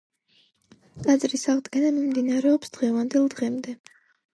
ტაძრის აღდგენა მიმდინარეობს დღევანდელ დღემდე.